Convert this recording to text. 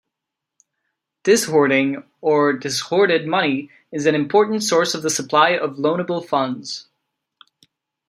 Dishoarding or dishoarded money is an important source of the supply of loanable funds.